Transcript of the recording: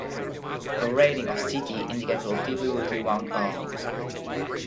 A rating of "cd" indicates relatively loosely wound arms.